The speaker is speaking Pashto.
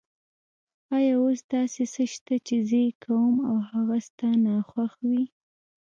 آیا اوس داسې څه شته چې زه یې کوم او هغه ستا ناخوښه وي؟